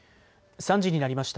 ３時になりました。